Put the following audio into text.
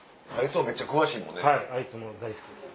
はいあいつも大好きです。